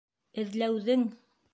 Эҙләүҙең!